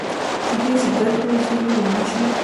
چې هېڅ زده کړه ځینې ونه شي.